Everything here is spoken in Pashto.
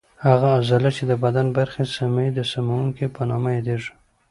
هغه عضله چې د بدن برخه سموي د سموونکې په نامه یادېږي.